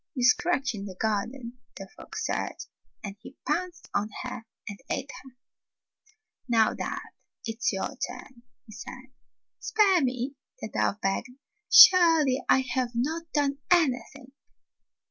"You scratch in the garden," the fox said. And he pounced on her and ate her. "Now, dove, it's your turn," he said. "Spare me!" the dove begged. "Surely, I have not done anything."